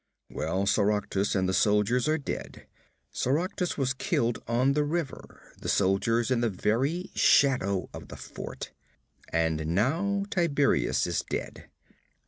'Well, Soractus and the soldiers are dead. Soractus was killed on the river, the soldiers in the very shadow of the fort. And now Tiberias is dead.